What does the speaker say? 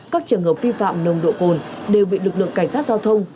các trường hợp vi phạm nồng độ cồn đều bị lực lượng cảnh sát giao thông